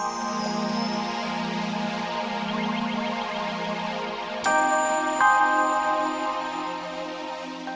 gak ada apa apa